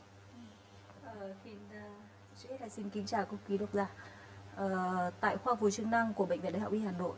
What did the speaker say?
xin kính chào cục kỳ độc ra